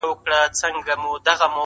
ستا زامن چي د میدان پهلوانان دي؛